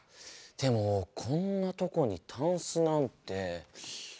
でもこんなとこにタンスなんて。